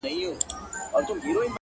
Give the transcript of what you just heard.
تا راته نه ويل د کار راته خبري کوه ،